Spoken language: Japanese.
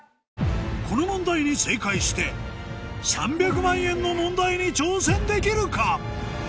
この問題に正解して３００万円の問題に挑戦できるか？